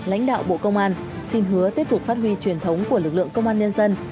lãnh đạo bộ công an xin hứa tiếp tục phát huy truyền thống của lực lượng công an nhân dân